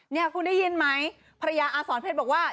นี่คุณได้ยินไหมพระยาอาสรเพศบอกว่า